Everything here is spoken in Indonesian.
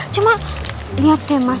cuma lihat deh mas